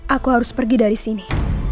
aku harus pergi dari sini